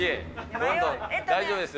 大丈夫ですよ。